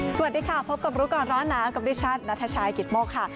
สวัสดีค่ะพบกับรู้ก่อนร้อนหนาวกับดิฉันนัทชายกิตโมกค่ะ